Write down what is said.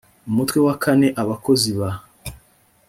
umutwe wa kaneabakozi ba